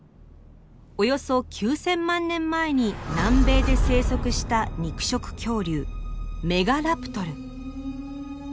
およそ９，０００万年前に南米で生息した肉食恐竜メガラプトル。